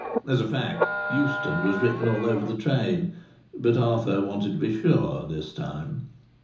As a fact, "Euston" was written all over the train. But Arthur wanted to be sure this time.